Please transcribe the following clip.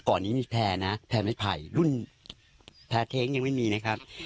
ก่อนนี้มีแพร่นะแพร่ไม้ไผ่รุ่นแพ้เท้งยังไม่มีนะครับ